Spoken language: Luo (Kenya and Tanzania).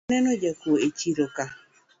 Pok aneno jakuok echiroka